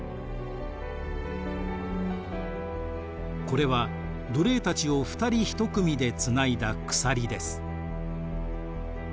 これは奴隷たちを２人１組でつないだ鎖です。